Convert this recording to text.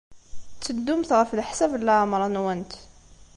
Tteddumt ɣef leḥsab n leɛmeṛ-nwent.